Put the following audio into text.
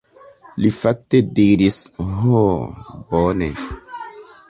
Li fakte diris: "Ho, bone."